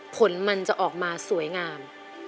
ผลมันจะออกมาสวยงาม